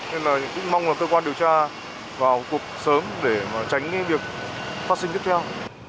nên là cũng mong là tư quan điều tra vào cuộc sớm để mà tránh cái việc phát sinh tiếp theo